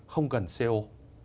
không cần co